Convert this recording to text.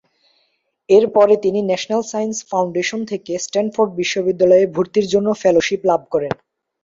এরপরে তিনি national science foundation থেকে স্ট্যানফোর্ড বিশ্ববিদ্যালয়-এ ভর্তির জন্য ফেলোশিপ লাভ করেন।